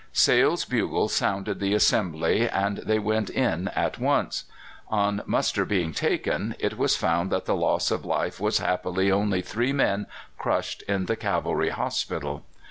Sale's bugle sounded the assembly, and they went in at once. On muster being taken, it was found that the loss of life was happily only three men crushed in the cavalry hospital.